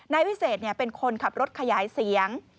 นายวิเศษเป็นคนขับรถขยายเสียง